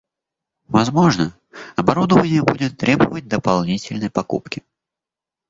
Возможно, оборудование будет требовать дополнительной покупки